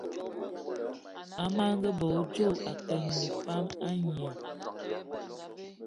Amage bè odjo akengì pam a ngné.